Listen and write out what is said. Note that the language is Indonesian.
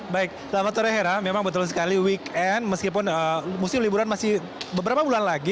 baik selamat sore hera memang betul sekali weekend meskipun musim liburan masih beberapa bulan lagi